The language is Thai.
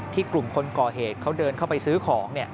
กลุ่มคนก่อเหตุเขาเดินเข้าไปซื้อของ